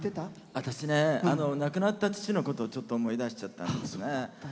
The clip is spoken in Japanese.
私亡くなった父のことちょっと思い出しちゃったんですね。